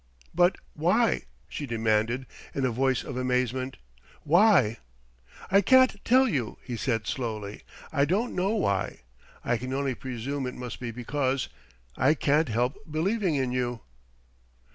"But why?" she demanded in a voice of amazement. "Why?" "I can't tell you," he said slowly "I don't know why. I can only presume it must be because I can't help believing in you."